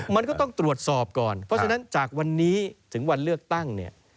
มันก็ต้องตรวจสอบก่อนเพราะฉะนั้นจากวันนี้ถึงวันเลือกตั้งเนี่ย